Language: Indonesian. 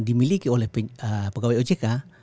dimiliki oleh pegawai ojk